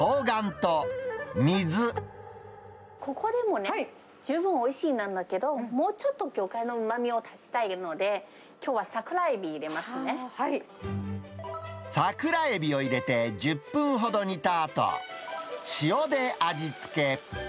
ここでもね、十分おいしいんだけど、もうちょっと魚介のうまみを足したいので、桜エビを入れて１０分ほど煮たあと、塩で味付け。